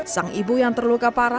sang ibu yang terluka parah sempat dibawah